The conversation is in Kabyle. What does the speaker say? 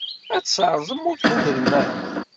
Ad t-terẓem ma ur tḥudrem ara.